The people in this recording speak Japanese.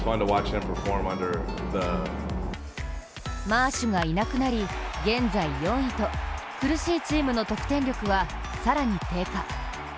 マーシュがいなくなり、現在４位と苦しいチームの得点力は更に低下。